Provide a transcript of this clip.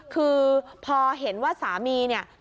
คือพอเห็นว่าสามีเนี่ย